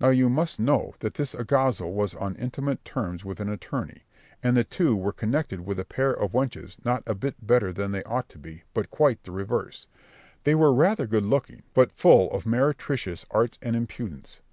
Now you must know that this alguazil was on intimate terms with an attorney; and the two were connected with a pair of wenches not a bit better than they ought to be, but quite the reverse. They were rather good looking, but full of meretricious arts and impudence.